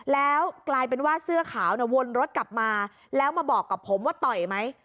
แล้วกลายเป็นว่าเสื้อขาวเนี่ยวนรถกลับมาแล้วมาบอกกับผมว่าต่อยไหม